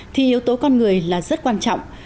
thì yếu tố con người là rất quan trọng